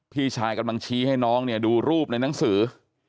พี่ชายกำลังชี้ให้น้องเนี่ยดูรูปในหนังสือ